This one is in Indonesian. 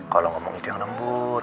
kalau ngomong itu yang lembut